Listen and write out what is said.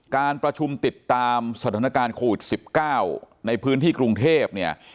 การประชุมติดตามสถานการณ์โควิด๑๙ในพื้นที่กรุงเทพเนี่ย